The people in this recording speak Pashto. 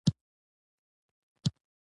بزګر د وطن ریښتینی سرمایه ده